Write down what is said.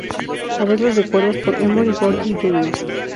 Arreglos de cuerdas por Emory Gordy, Jr.